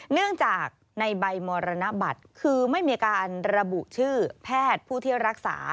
เนื่องจากในใบมรณบัตรคือไม่มีการระบุชื่อแพทย์ผู้ที่รักษา